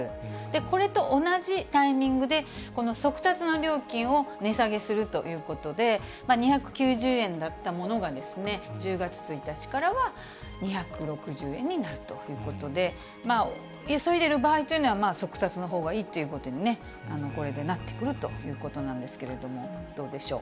これと同じタイミングでこの速達の料金を値下げするということで、２９０円だったものが１０月１日からは、２６０円になるということで、急いでる場合というのは速達のほうがいいということに、これでなってくるということなんですけれども、どうでしょう。